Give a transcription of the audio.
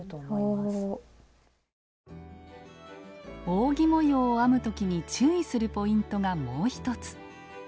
扇模様を編む時に注意するポイントがもう一つ。